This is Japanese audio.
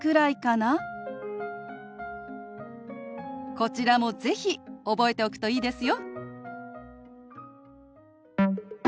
こちらも是非覚えておくといいですよ。